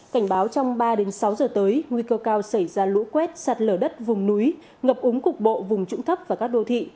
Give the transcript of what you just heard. cảnh báo trong ba sáu giờ tới nguy cơ cao xảy ra lũ quét sạt lở đất vùng núi ngập úng cục bộ vùng trũng thấp và các đô thị